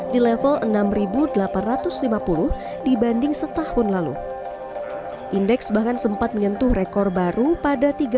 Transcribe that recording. dua ribu dua puluh dua di level enam ribu delapan ratus lima puluh dibanding setahun lalu indeks bahkan sempat menyentuh rekor baru pada tiga belas